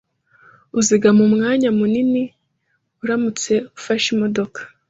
Uzigama umwanya munini uramutse ufashe imodoka